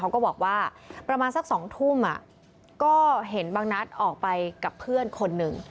ก็บอกว่าประมาณสัก๒ทุ่มก็เห็นบางนัดออกไปกับเพื่อนคนหนึ่ง